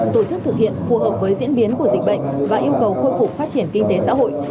tổ chức thực hiện phù hợp với diễn biến của dịch bệnh và yêu cầu khôi phục phát triển kinh tế xã hội